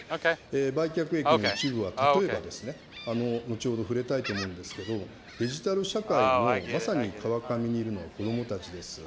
売却益の一部は例えばですね、後ほど触れたいと思うんですけれども、デジタル社会のまさに川上にいるのは、子どもたちです。